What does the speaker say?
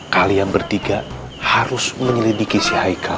kalian bertiga harus menyelidiki si haikal